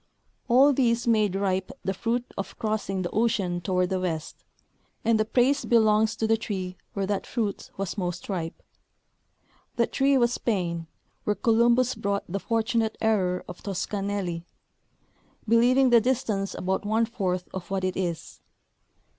All these made ripe the fruit of crossing the ocean toward the west, and the praise belongs to the tree where that fruit was most ripe. That tree was Spain, where Columbus brought the fortunate error of Toscanelli, be lieving the distance about one fourth of what it is.